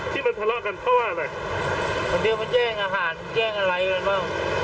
ที่มันทะเลาะกันเพราะว่าอะไรคนเดียวมันแย่งอาหารมันแย่งอะไรกันบ้าง